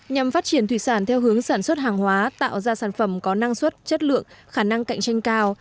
nhằm phát triển thủy sản theo hướng sản xuất hàng hóa tạo ra sản phẩm có năng suất chất lượng khả năng cạnh tranh cao